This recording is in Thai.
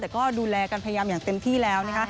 แต่ก็ดูแลกันพยายามอย่างเต็มที่แล้วนะคะ